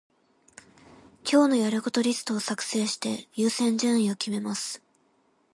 今日のやることリストを作成して、優先順位を決めます。